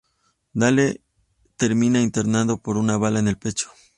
Dale termina internado por una bala en el pecho.